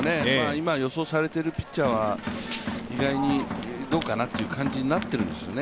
今、予想されているピッチャーは意外にどうかなっていう感じになっているんですよね。